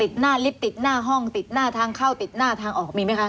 หน้าลิฟต์ติดหน้าห้องติดหน้าทางเข้าติดหน้าทางออกมีไหมคะ